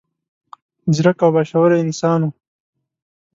ځیرک او با شعوره انسان و.